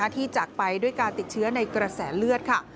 ที่จากไปด้วยการติดเชื้อในกระแสเลือดค่ะ